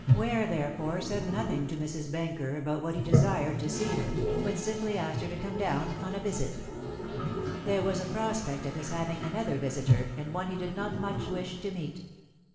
Ware therefore said nothing to Mrs. Benker about what he desired to see her, but simply asked her to come down on a visit. There was a prospect of his having another visitor, and one he did not much wish to meet.